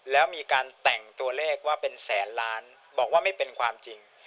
แล้วมีการแต่งตัวเลขว่าเป็นแสนล้านบอกว่าไม่เป็นความจริง